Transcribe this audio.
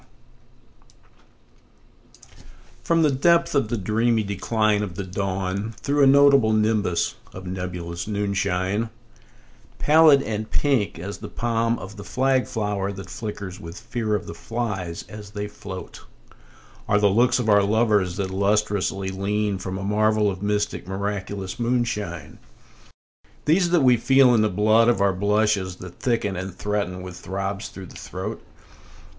] FROM the depth of the dreamy decline of the dawn through a notable nimbus of nebulous noonshine, Pallid and pink as the palm of the flag flower that flickers with fear of the flies as they float, Are the looks of our lovers that lustrously lean from a marvel of mystic miraculous moonshine, These that we feel in the blood of our blushes that thicken and threaten with throbs through the throat?